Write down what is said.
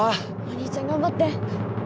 お兄ちゃん頑張って。